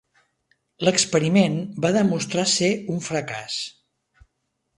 L'experiment va demostrar ser un fracàs.